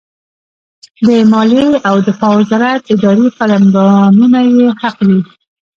د مالیې او دفاع وزارت اداري قلمدانونه یې حق دي.